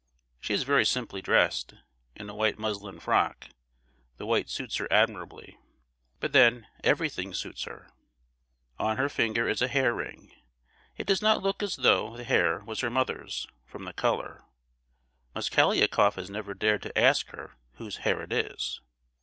She is very simply dressed, in a white muslin frock—the white suits her admirably. But then, everything suits her! On her finger is a hair ring: it does not look as though the hair was her mother's, from the colour. Mosgliakoff has never dared to ask her whose hair it is.